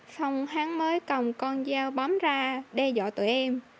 xong hắn mới cầm con dao bám ra đe dọa tụi em